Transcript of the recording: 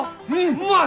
うまい！